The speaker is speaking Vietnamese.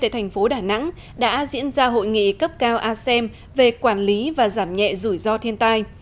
thành phố đà nẵng đã diễn ra hội nghị cấp cao asem về quản lý và giảm nhẹ rủi ro thiên tai